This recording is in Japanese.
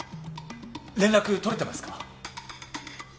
連絡とれてますか？